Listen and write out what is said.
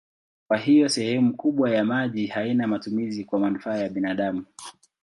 Kwa hiyo sehemu kubwa ya maji haina matumizi kwa manufaa ya binadamu.